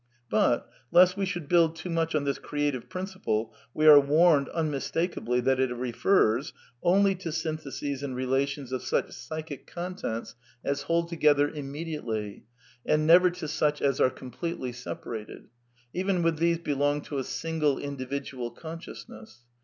But, lest we should bu ild too much on this creative p rin ciple, we are warned unmistakably that it reiers "only to syntheses and relations of such psychic contents as SOME QUESTIONS OF PSYCHOLOGY 87 hold toifether immediately, and never to sueli as are completely— r" separated; even when tliese belong to a single individual con \ sciousness.